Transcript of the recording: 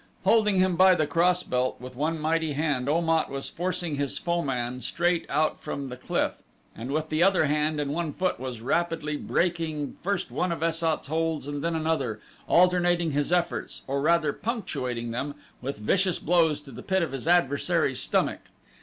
Holding him by the cross belt with one mighty hand Om at was forcing his foeman straight out from the cliff, and with the other hand and one foot was rapidly breaking first one of Es sat's holds and then another, alternating his efforts, or rather punctuating them, with vicious blows to the pit of his adversary's stomach.